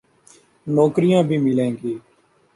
نوکریاں بھی ملیں گی۔